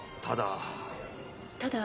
ただ。